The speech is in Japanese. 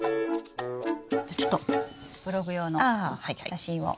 じゃちょっとブログ用の写真を。